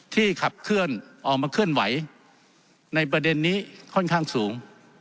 ขับเคลื่อนออกมาเคลื่อนไหวในประเด็นนี้ค่อนข้างสูง